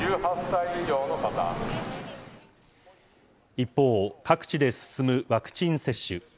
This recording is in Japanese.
一方、各地で進むワクチン接種。